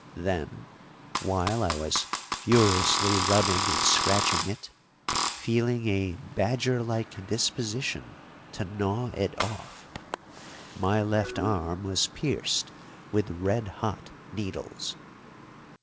Then, while I was furiously rubbing and scratching it, feeling a badger like disposition to gnaw it off, my left arm was pierced with red hot needles.